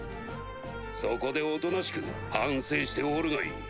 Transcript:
そこでおとなしく反省しておるがいい。